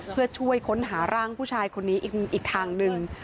เพื่อช่วยค้นหาร่างผู้ชายคนนี้อีกทางหนึ่ง